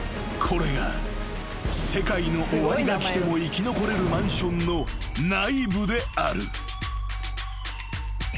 ［これが世界の終わりが来ても生き残れるマンションの内部である］